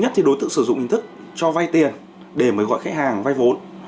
thì đối tượng sử dụng hình thức cho vay tiền để mời gọi khách hàng vay vốn